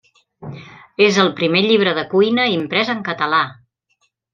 És el primer llibre de cuina imprès en català.